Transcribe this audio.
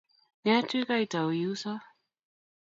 nget wiy kaitou iusa